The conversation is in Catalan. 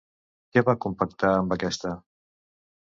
Què va compactar amb aquesta?